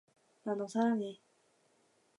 나 너 사랑해